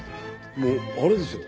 もうあれですよ。